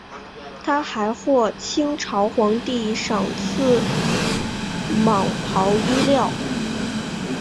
他还获清朝皇帝赏赐蟒袍衣料。